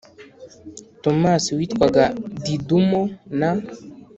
Tomasi witwaga didumo na